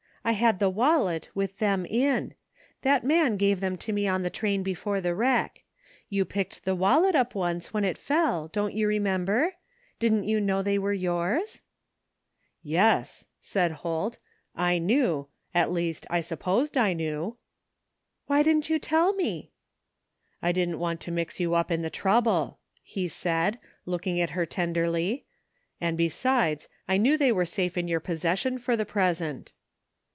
I had the wallet, with them in. That man gave them to me on the train before the wreck. You 184 n (t THE FINDING OF JASPER HOLT picked the wallet up once when it fell, don't you remem ber ? Didn't you know they were yours ?"" Yes," said Holt, " I knew. At least I supposed I knew." Why didn't you tell me? " I didn't want to mix you up in the trouUe," he said, looking at her tenderly, " and besides, I knew they were safe in your possession for the present."